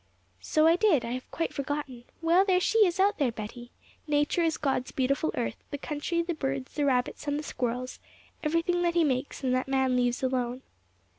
'So I did, I have quite forgotten. Well, there she is out there, Betty. Nature is God's beautiful earth: the country, the birds, the rabbits, and the squirrels everything that He makes and that man leaves alone.'